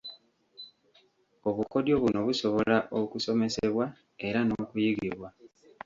Obukodyo buno busobola okusomesebwa era n’okuyigibwa.